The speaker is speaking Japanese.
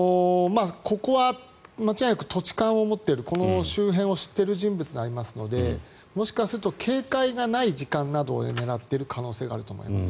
ここは間違いなく土地勘を持っているこの周辺を知っている人物になりますのでもしかすると警戒がない時間などを狙っている可能性があると思います。